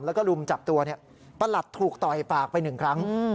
แล้วก็รุมจับตัวประหลัดถูกต่อยปากไปหนึ่งครั้ง